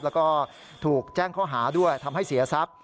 แล้วก็ถูกแจ้งข้อหาด้วยทำให้เสียทรัพย์